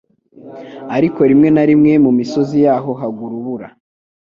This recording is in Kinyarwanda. ariko rimwe na rimwe mu misozi yaho hagwa urubura